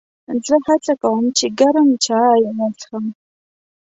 زه هڅه کوم چې ګرم چای وڅښم.